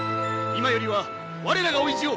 今よりは我らが追い潮。